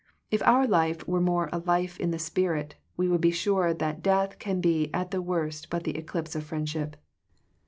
If our life were more a life in the spirit, we would be sure that death can be at the worst but the eclipse of friendship.